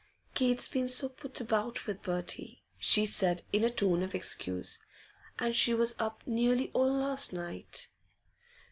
'Kate's been so put about with Bertie,' she said, in a tone of excuse. 'And she was up nearly all last night.